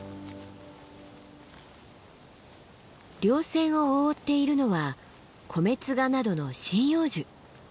稜線を覆っているのはコメツガなどの針葉樹。